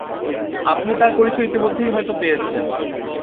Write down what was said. আপনি তার পরিচয় ইতোমধ্যেই হয়তো পেয়েছেন।